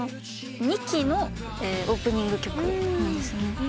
２期のオープニング曲なんですね。